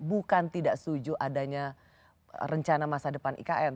bukan tidak setuju adanya rencana masa depan ikn